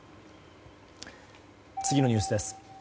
次のニュースです。